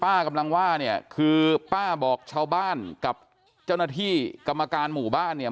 กำลังว่าเนี่ยคือป้าบอกชาวบ้านกับเจ้าหน้าที่กรรมการหมู่บ้านเนี่ย